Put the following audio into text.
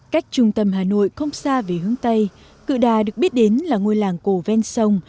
cách trung tâm hà nội không xa về hướng tây cự đà được biết đến là ngôi làng cổ ven sông